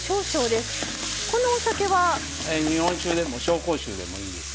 日本酒でも紹興酒でもいいですよ。